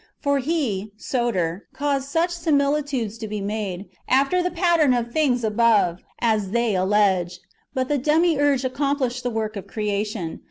For he (Soter) caused such similitudes to be made, after the pattern of things above, as they allege; but the Demiurge accomplished the work of creation.